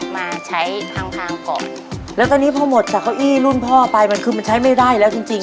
มาใช้ทางทางก่อนแล้วตอนนี้พอหมดจากเก้าอี้รุ่นพ่อไปมันคือมันใช้ไม่ได้แล้วจริงจริง